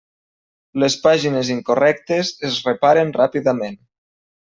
Les pàgines incorrectes es reparen ràpidament.